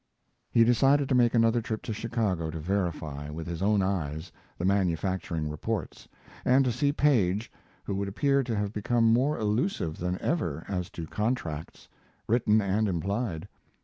He decided to make another trip to Chicago to verify, with his own eyes, the manufacturing reports, and to see Paige, who would appear to have become more elusive than ever as to contracts, written and implied.